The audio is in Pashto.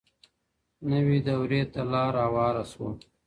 نوې دورې ته لار هواره سوه.